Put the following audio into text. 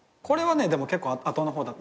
これはねでも結構後の方。